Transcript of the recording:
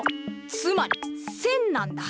つまり線なんだ。